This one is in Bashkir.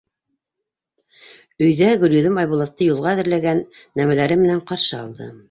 Өйҙә Гөлйөҙөм Айбулатты юлға әҙерләгән нәмәләре менән ҡаршы алды.